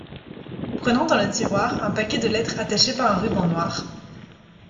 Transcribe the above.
Prenant dans le tiroir un paquet de lettres attachées par un ruban noir.